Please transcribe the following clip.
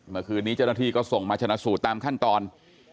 เมื่อคืนนี้ชนะทีส่งมาชนะศูตรตามขั้นตอน